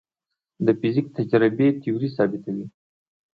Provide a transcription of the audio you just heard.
د فزیک تجربې تیوري ثابتوي.